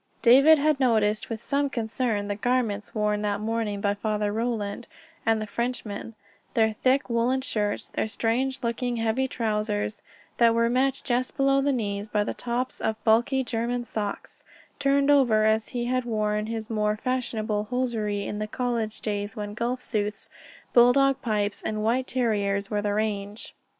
David had noticed with some concern the garments worn that morning by Father Roland and the Frenchman their thick woollen shirts, their strange looking, heavy trousers that were met just below the knees by the tops of bulky German socks, turned over as he had worn his more fashionable hosiery in the college days when golf suits, bulldog pipes, and white terriers were the rage.